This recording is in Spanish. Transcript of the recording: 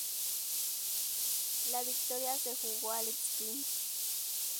La victoria se jugó al sprint.